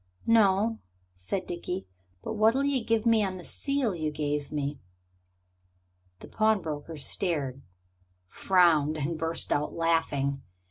"No," said Dickie, "but what'll you give me on the seal you gave me?" The pawnbroker stared, frowned, and burst out laughing.